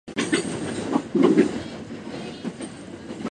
学園祭最後